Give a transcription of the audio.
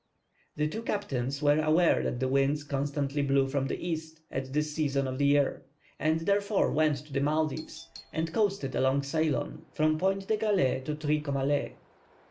The two captains were aware that the winds constantly blew from the east, at this season of the year, and therefore went to the Maldives, and coasted along Ceylon from Point de Galle, to Trincomalée.